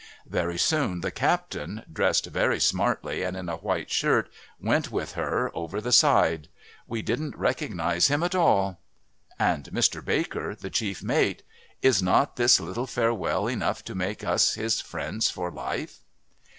"Very soon the captain, dressed very smartly and in a white shirt, went with her over the side. We didn't recognise him at all...." And Mr Baker, the chief mate! Is not this little farewell enough to make us his friends for life?